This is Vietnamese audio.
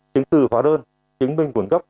chứng từ hóa đơn chứng minh nguồn gốc